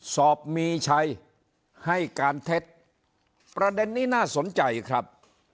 สอบมีชัยให้การเท็จประเด็นนี้น่าสนใจครับ